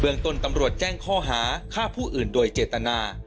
ต้นตำรวจแจ้งข้อหาฆ่าผู้อื่นโดยเจตนา